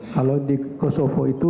kalau di kosovo itu